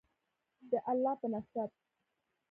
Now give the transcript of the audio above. د الله په نصرت.